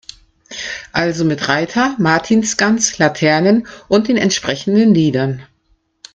Also mit Reiter, Martinsgans, Laternen und den entsprechenden Liedern.